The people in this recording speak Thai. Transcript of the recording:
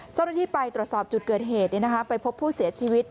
เจ้าหน้าที่ไปตรวจสอบจุดเกิดเหตุไปพบผู้เสียชีวิต